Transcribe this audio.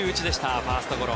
ファーストゴロ。